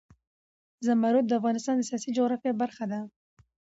زمرد د افغانستان د سیاسي جغرافیه برخه ده.